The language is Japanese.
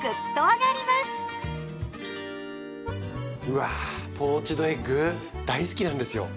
うわポーチドエッグ大好きなんですよ。